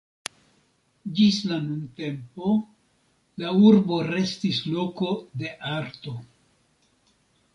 Ĝis la nuntempo la urbo restis loko de arto.